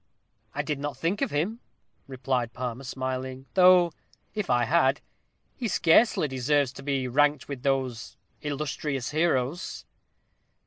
"I did not think of him," replied Palmer, smiling; "though, if I had, he scarcely deserves to be ranked with those illustrious heroes."